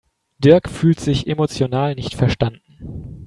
Dirk fühlt sich emotional nicht verstanden.